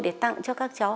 để tặng cho các cháu